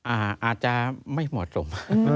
อาจจะไม่เหมาะสม